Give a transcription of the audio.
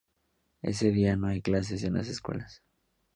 Ese día no hay clases en las escuelas.